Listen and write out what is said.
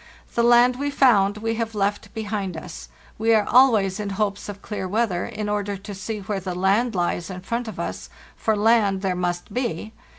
The land we found we have left behind us. We are always in hopes of clear weather, in order to see where the land lies in front of us—for land there must be.